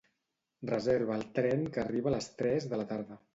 Reserva el tren que arriba a les tres de la tarda.